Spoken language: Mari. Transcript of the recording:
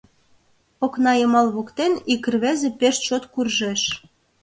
Окна йымал воктен ик рвезе пеш чот куржеш.